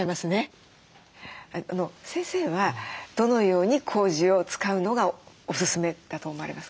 先生はどのようにこうじを使うのがおすすめだと思われますか？